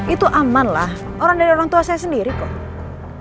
itu aman lah orang dari orang tua saya sendiri kok